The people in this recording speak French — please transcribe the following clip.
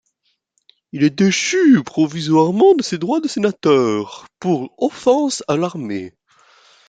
Il est déchu provisoirement de ses droits de sénateur pour offense à l'armée.